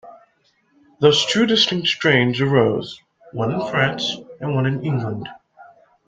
Thus two distinct strains arose, one in France and one in England.